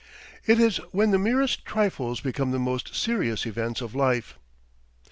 "It is when the merest trifles become the most serious events of life."